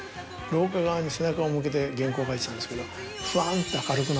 廊下側に背中を向けて原稿書いてたんですけどフワンって。